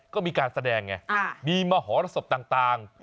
ก็มีการแสดงเนี่ยมีมหรศพต่าง